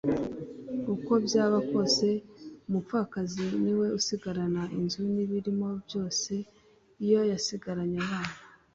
uko byaba kose umupfakazi niwe usigarana inzu n'ibirimo byose iyo yasigaranye abana